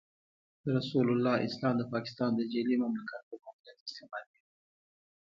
د رسول الله اسلام د پاکستان د جعلي مملکت په ماموریت استعمالېږي.